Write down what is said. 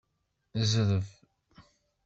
Zreb!